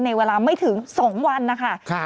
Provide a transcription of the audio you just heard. ในเวลาไม่ถึง๒วันนะคะ